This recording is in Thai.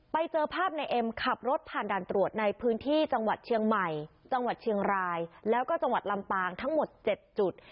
ไปเจอภาพในเอ็มขับรถผ่านด่านตรวจในพื้นที่จังหวัดเชียงใหม่จังหวัดเชียงรายแล้วก็จังหวัดลำปางทั้งหมด๗จุด